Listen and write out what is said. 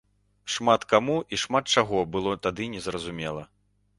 Шмат каму і шмат чаго было тады незразумела.